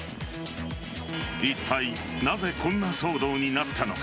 いったいなぜこんな騒動になったのか。